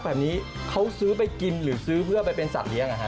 แบบนี้เค้าซื้อไปกินหรือซื้อเป็นไพรสัตว์เลี้ยง